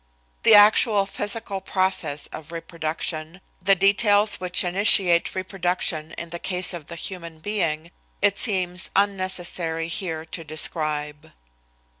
The actual physical process of reproduction, the details which initiate reproduction in the case of the human being, it seems unnecessary here to describe.